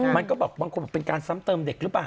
มันก็บอกบางคนบอกเป็นการซ้ำเติมเด็กหรือเปล่า